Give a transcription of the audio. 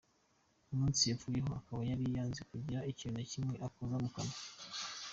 Umunsi yapfuyeho akaba yari yanze kugira ikintu na kimwe akoza ku munwa.